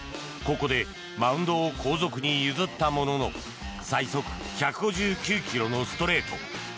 ここでマウンドを後続に譲ったものの最速１５９ｋｍのストレート。